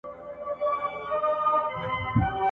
د دې خبري د جوتېدا او پخلي لپاره